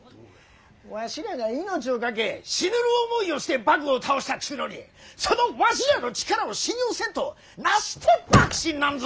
わしらが命をかけ死ぬる思いをして幕府を倒したっちゅうのにそのわしらの力を信用せんとなして幕臣なんぞ。